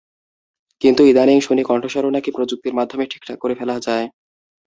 কিন্তু ইদানীং শুনি কণ্ঠস্বরও নাকি প্রযুক্তির মাধ্যমে ঠিকঠাক করে ফেলা যায়।